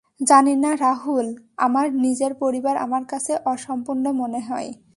জানি না রাহুল, আমার নিজের পরিবার আমার কাছে অসম্পূর্ণ মনে হয়।